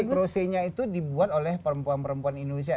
ini krosenya itu dibuat oleh perempuan perempuan indonesia